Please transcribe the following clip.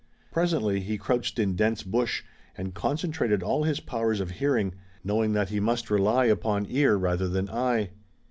Presently, he crouched in dense bush, and concentrated all his powers of hearing, knowing that he must rely upon ear rather than eye.